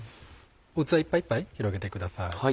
器いっぱいいっぱい広げてください。